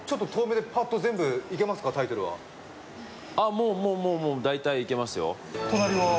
もうもうもう大体いけますよ隣は？